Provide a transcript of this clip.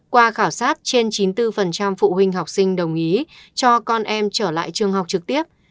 qua khảo sát trên chín mươi bốn phụ huynh học sinh đồng ý cho con em trở lại trường học trực tiếp